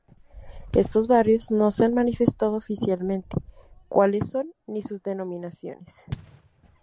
Estos barrios no se han manifestado oficialmente cuáles son ni sus denominaciones.